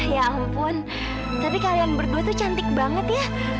ya ampun tapi kalian berdua tuh cantik banget ya